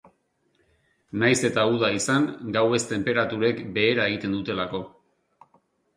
Nahiz eta uda izan, gauez tenperaturek behera egiten dutelako.